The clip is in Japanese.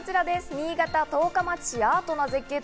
新潟県十日町市、アートな絶景。